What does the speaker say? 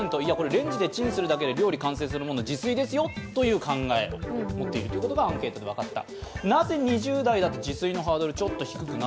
レンジでチンするだけで料理完成するものは自炊ですよという考えを持っていることがアンケートで分かった。